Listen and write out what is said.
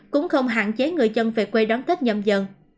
cũng không hạn chế người dân về quê đón tết nhầm dần dần